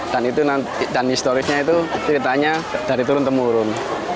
dan itu nanti dan historisnya itu ceritanya dari turun temurun